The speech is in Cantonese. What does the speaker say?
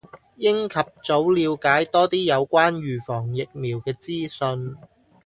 應及早暸解多啲有關預防疫苗嘅資訊